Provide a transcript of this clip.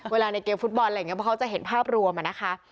ในเกมฟุตบอลอะไรอย่างนี้เพราะเขาจะเห็นภาพรวมอะนะคะ